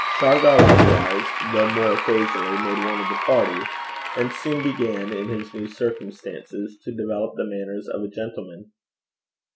Shargar likewise, though more occasionally, made one of the party, and soon began, in his new circumstances, to develop the manners of a gentleman.